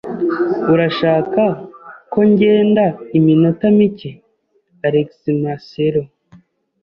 Urashaka ko ngenda iminota mike? alexmarcelo